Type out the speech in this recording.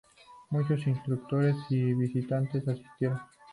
Muchos instructores y visitantes asistieron.